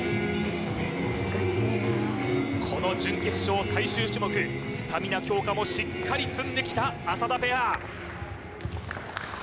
この準決勝最終種目スタミナ強化もしっかり積んできた浅田ペア